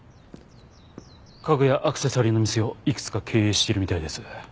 家具やアクセサリーの店をいくつか経営しているみたいです。